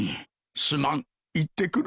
すまん行ってくる。